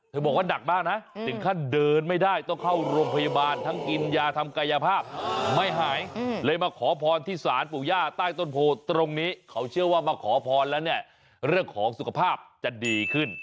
บอกว่าหนักมากนะถึงขั้นเดินไม่ได้ต้องเข้าโรงพยาบาลทั้งกินยาทำกายภาพไม่หายเลยมาขอพรที่ศาลปู่ย่าใต้ต้นโพตรงนี้เขาเชื่อว่ามาขอพรแล้วเนี่ยเรื่องของสุขภาพจะดีขึ้น